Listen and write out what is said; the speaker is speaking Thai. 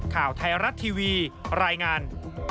ข่าวไทยรัฐทีวีรายงาน